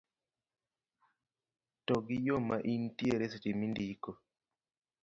to gi yo ma intiere seche mindiko